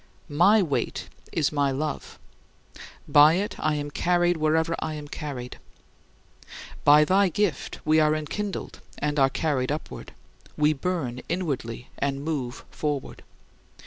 My weight is my love. By it I am carried wherever I am carried. By thy gift, we are enkindled and are carried upward. We burn inwardly and move forward.